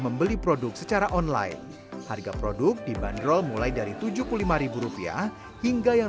membeli produk secara online harga produk dibanderol mulai dari tujuh puluh lima rupiah hingga yang